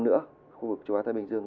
nữa khu vực châu á thái bình dương